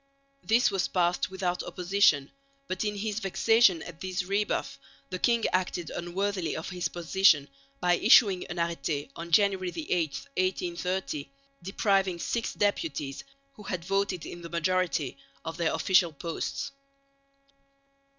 This was passed without opposition, but in his vexation at this rebuff the king acted unworthily of his position by issuing an arrêté (January 8, 1830) depriving six deputies, who had voted in the majority, of their official posts.